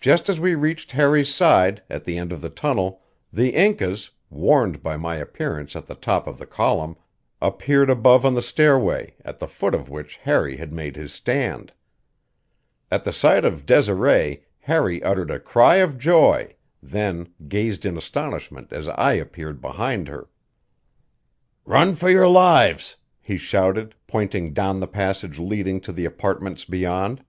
Just as we reached Harry's side, at the end of the tunnel, the Incas, warned by my appearance at the top of the column, appeared above on the stairway, at the foot of which Harry had made his stand. At the sight of Desiree Harry uttered a cry of joy, then gazed in astonishment as I appeared behind her. "Run for your lives!" he shouted, pointing down the passage leading to the apartments beyond.